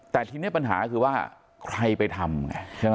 แต่ทีนี้ปัญหาคือว่าใครไปทำไง